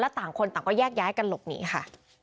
ต่างคนต่างก็แยกย้ายกันหลบหนีค่ะ